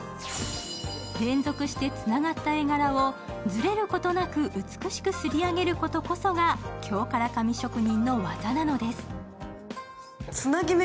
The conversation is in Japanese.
連続してつながった絵柄をずれることなく、美しく刷り上げることこそが、京唐紙職人の技なのです。